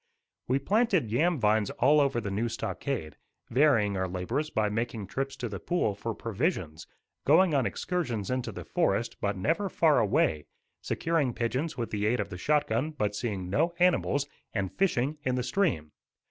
We planted yam vines all around the new stockade, varying our labors by making trips to the pool for provisions, going on excursions into the forest, but never far away, securing pigeons with the aid of the shot gun, but seeing no animals, and fishing in the stream.